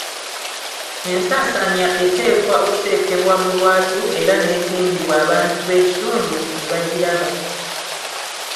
Ensasaanya eteekwa okuteekebwa mu lwatu era n'etimbibwa abantu b'ekitundu ne bagiraba.